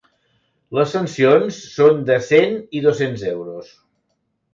Les sancions són de cent i dos-cents euros.